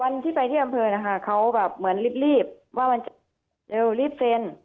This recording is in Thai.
วันที่ไปที่อำเภอนะคะเขาแบบเหมือนรีบว่ามันจะเร็วรีบเซ็น